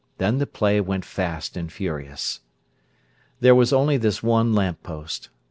Then the play went fast and furious. There was only this one lamp post.